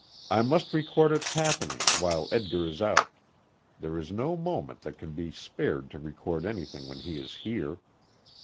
I must record its happenings while Edgar is out. There is no moment that can be spared to record anything when he is here.